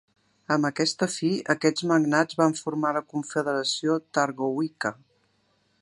Amb aquesta fi, aquests magnats van formar la Confederació Targowica.